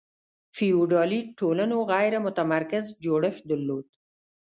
فیوډالي ټولنو غیر متمرکز جوړښت درلود.